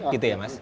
gitu ya mas